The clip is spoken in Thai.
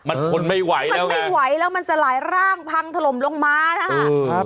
มันทนไม่ไหวมันไม่ไหวแล้วมันสลายร่างพังถล่มลงมานะคะ